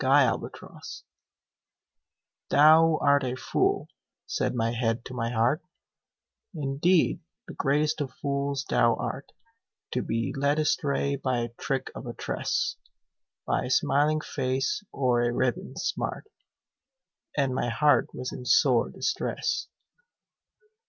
Y Z Retort THOU art a fool," said my head to my heart, "Indeed, the greatest of fools thou art, To be led astray by trick of a tress, By a smiling face or a ribbon smart;" And my heart was in sore distress.